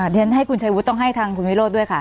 เดี๋ยวให้คุณชัยวุฒิต้องให้ทางคุณวิโรธด้วยค่ะ